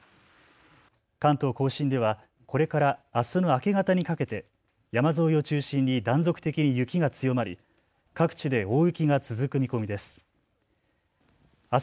関東甲信ではこれからあすの明け方にかけて山沿いを中心に断続的に雪が強まり各地で大雪が続く見込みです。